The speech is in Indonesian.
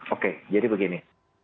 oke jadi begini